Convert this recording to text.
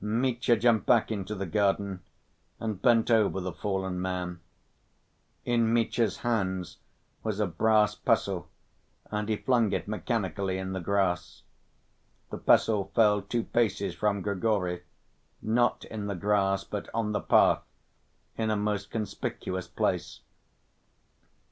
Mitya jumped back into the garden and bent over the fallen man. In Mitya's hands was a brass pestle, and he flung it mechanically in the grass. The pestle fell two paces from Grigory, not in the grass but on the path, in a most conspicuous place.